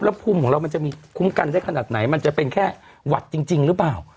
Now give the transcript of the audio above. แล้วภูมิของเรามันจะมีคุ้มกันได้ขนาดไหนมันจะเป็นแค่หวัดจริงหรือเปล่า